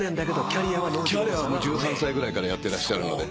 キャリアは１３歳ぐらいからやってらっしゃるので。